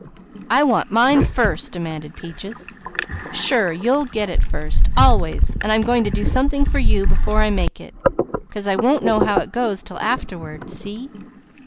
"I want mine first!" demanded Peaches. "Sure! You'll get it first! Always! But I'm going to do something for you before I make it, 'cause I won't know how it goes 'til afterward. See?"